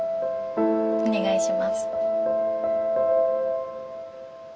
お願いします。